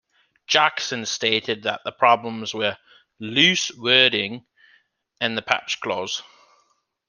Jackson stated that the problems were "loose wording" and the patch clause.